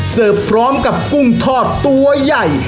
พร้อมกับกุ้งทอดตัวใหญ่